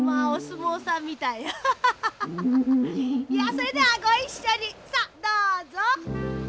それではごいっしょにさあどうぞ。